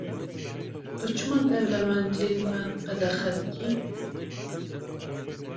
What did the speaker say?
Tu çima dewlemendiyê li me qedexe dikî?